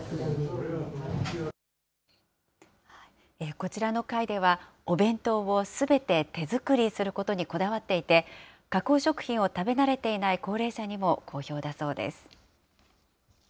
こちらの会では、お弁当をすべて手作りすることにこだわっていて、加工食品を食べ慣れていない高齢者にも好評だそうです。